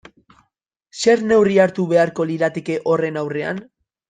Zer neurri hartu beharko lirateke horren aurrean?